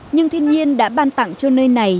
nhưng thiên nhiên đã ban tặng cho nơi này